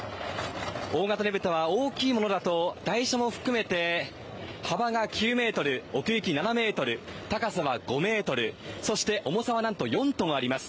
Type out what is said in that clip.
大型ねぶたは大きいものだと台車も含めて幅が９ｍ、奥行き７ｍ、高さは５ｍそして重さはなんと４ｔあります。